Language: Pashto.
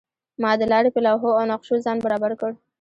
ما د لارې په لوحو او نقشو ځان برابر کړ.